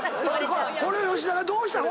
これ吉田がどうしたん？